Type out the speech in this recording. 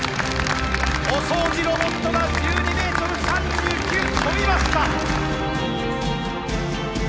お掃除ロボットが１２メートル３９跳びました。